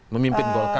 memimpin golkar misalnya